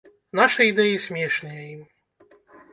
Нашы ідэі смешныя ім.